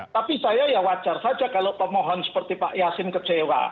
tapi saya ya wajar saja kalau pemohon seperti pak yasin kecewa